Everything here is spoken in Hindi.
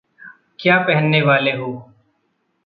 क्या पहनने वाले हो?